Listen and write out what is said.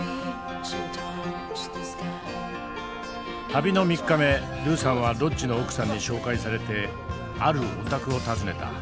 旅の３日目ルーさんはロッジの奥さんに紹介されてあるお宅を訪ねた。